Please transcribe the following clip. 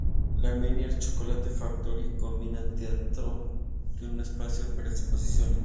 La Menier Chocolate Factory combina teatro con un espacio para exposiciones.